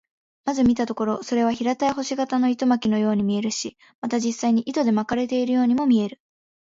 まず見たところ、それは平たい星形の糸巻のように見えるし、また実際に糸で巻かれているようにも見える。